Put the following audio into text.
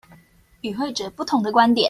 與會者不同的觀點